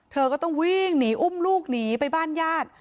เธอก็ต้องวิ่งหนีอุ้มลูกหนีไปบ้านญาติ